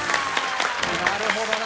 なるほどな。